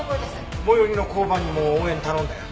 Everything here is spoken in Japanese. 最寄りの交番にも応援頼んだよ。